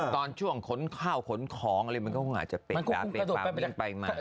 ตอนช่วงขนข้าวขนของมันก็คงอาจจะเป็นกล้าเป็นกล้า